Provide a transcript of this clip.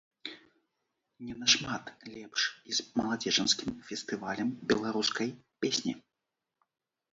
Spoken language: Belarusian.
Не нашмат лепш і з маладзечанскім фестывалем беларускай песні.